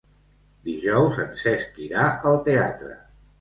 Dijous en Cesc irà al teatre.